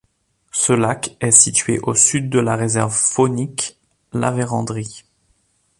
Ce lac est situé au sud de la réserve faunique La Vérendrye.